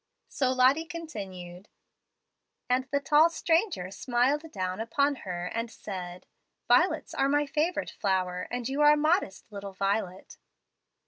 So Lottie continued: "And the tall stranger smiled down upon her and said, 'Violets are my favorite flower, and you are a modest little violet.'